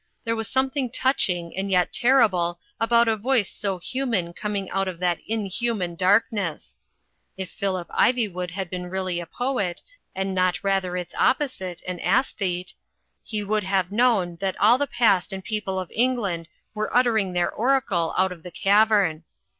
There was something touching and yet terrible about a voice so human coming out of that inhuman darkness. If Phillip Ivywood had been really a poet, and not rather its opposite, an aesthete, he would have known that all the past and people of England THE BATTLE OF THE TUNNEL 165 were uttering their oracle out of the cavern.